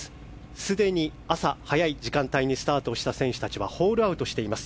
すでに朝早い時間帯にスタートした選手たちはホールアウトしています。